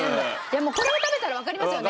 これを食べたらわかりますよね。